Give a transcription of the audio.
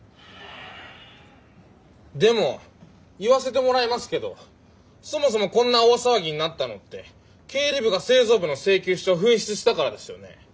でも言わせてもらいますけどそもそもこんな大騒ぎになったのって経理部が製造部の請求書紛失したからですよね。